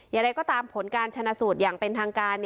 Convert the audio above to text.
อย่างไรก็ตามผลการชนะสูตรอย่างเป็นทางการ